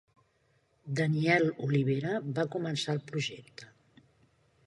Daniel Olivera va començar el projecte.